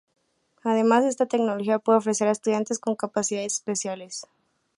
Además, esta tecnología puede ofrecerse a estudiantes con capacidades especiales.